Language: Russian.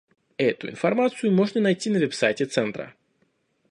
Эту информацию можно найти на веб-сайте Центра.